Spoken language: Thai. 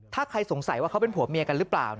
ถ้าใครสงสัยว่าเขาเป็นผัวเมียกันหรือเปล่า